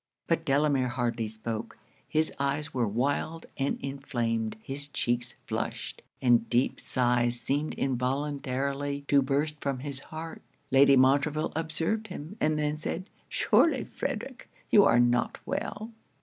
But Delamere hardly spoke his eyes were wild and inflamed his cheeks flushed and deep sighs seemed involuntarily to burst from his heart. Lady Montreville observed him, and then said 'Surely, Frederic, you are not well?'